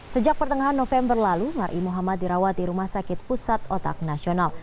sejak pertengahan november lalu mar'i muhammad dirawat di rumah sakit pusat otak nasional